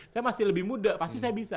saya masih lebih muda pasti saya bisa